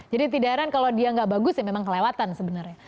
jadi tidak heran kalau dia nggak bagus ya memang kelewatan sebenarnya